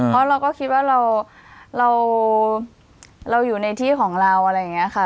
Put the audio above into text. เพราะเราก็คิดว่าเราอยู่ในที่ของเราอะไรอย่างนี้ค่ะ